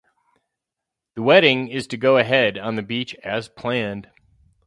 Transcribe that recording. The wedding is to go ahead on the beach as planned.